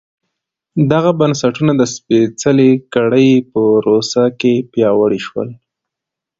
دغه بنسټونه د سپېڅلې کړۍ په پروسه کې پیاوړي شول.